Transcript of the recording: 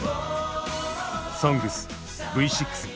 「ＳＯＮＧＳ」Ｖ６。